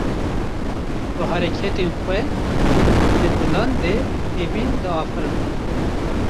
Bi hereketên xwe, di dilan de evîn diafirand